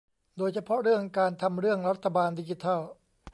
โดยเฉพาะเรื่องการทำเรื่องรัฐบาลดิจิทัล